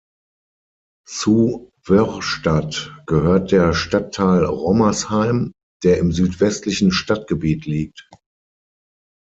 Zu Wörrstadt gehört der Stadtteil Rommersheim, der im südwestlichen Stadtgebiet liegt.